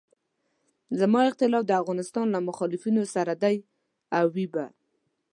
زما اختلاف د افغانستان له مخالفینو سره دی او وي به.